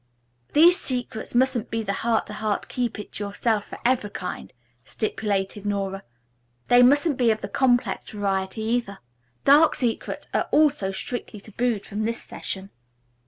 "These secrets mustn't be the heart to heart, keep it to yourself forever kind," stipulated Nora. "They mustn't be of the complex variety either. Dark secrets are also strictly tabooed from this session."